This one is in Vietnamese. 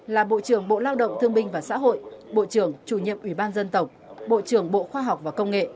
là bộ trưởng bộ lao động thương binh và xã hội bộ trưởng chủ nhiệm ủy ban dân tộc bộ trưởng bộ khoa học và công nghệ